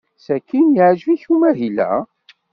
Sakkin yeɛjeb-ik umahil-a?